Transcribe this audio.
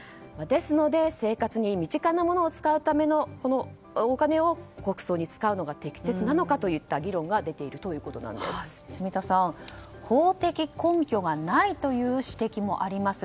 ですので生活に身近なものに使うためのお金を国葬に使うのが適切なのかといった声が住田さん、法的根拠がないという指摘もあります。